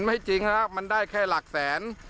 ไม่จริงครับมันได้แค่หลักแสน